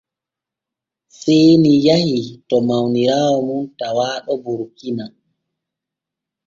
Seeni yahii to mawniraawo mum tawaaɗo Burkina.